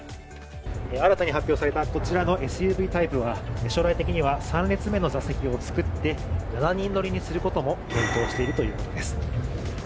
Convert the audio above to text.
新たに発表されたこちらのＳＵＶタイプは将来的には３列目の座席を作って７人乗りにすることも検討しているということです。